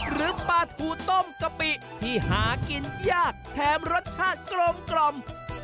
หรือปลาทูต้มกะปิที่หากินยากแถมรสชาติกลม